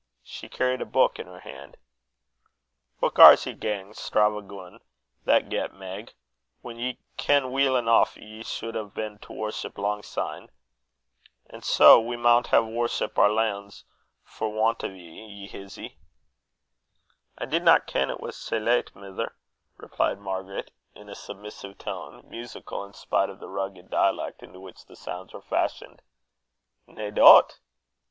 She carried a book in her hand. "What gars ye gang stravaguin' that get, Meg, whan ye ken weel eneuch ye sud a' been in to worship lang syne? An sae we maun hae worship our lanes for want o' you, ye hizzy!" "I didna ken it was sae late, mither," replied Margaret, in a submissive tone, musical in spite of the rugged dialect into which the sounds were fashioned. "Nae dout!